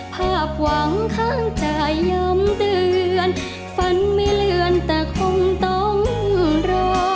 ภาพหวังข้างใจย้ำเตือนฝันไม่เลื่อนแต่คงต้องรอ